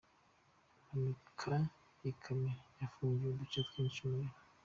Impanuka y’ikamyo yafungiye uduce twinshi umuriro